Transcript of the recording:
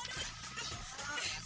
serangin aku mas